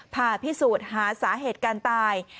ผ่าพิสูจน์หาสาเหตุการตาย